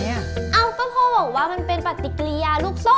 เอ้าก็พ่อบอกว่ามันเป็นปฏิกิริยาลูกโซ่